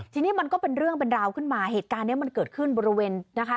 ทีนี้มันก็เป็นเรื่องเป็นราวขึ้นมาเหตุการณ์นี้มันเกิดขึ้นบริเวณนะคะ